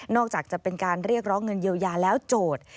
อกจากจะเป็นการเรียกร้องเงินเยียวยาแล้วโจทย์